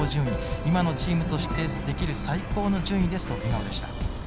今のチームとしてできる最高の順位ですと笑顔でした。